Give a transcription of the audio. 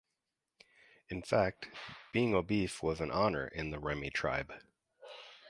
In fact, being obese was an honor in the Remi tribe.